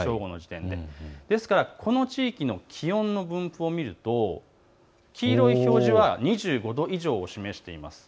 正午の時点でこの地域の気温の分布を見ると、黄色い表示は２５度以上を示しています。